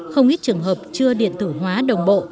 không ít trường hợp chưa điện tử hóa đồng bộ